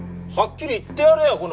はっきり言ってやれよ！